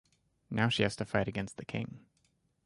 Now she has to fight against the King.